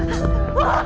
あっ！